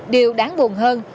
điều đáng buồn hơn